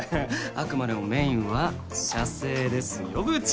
あくまでもメインは写生ですよ部長。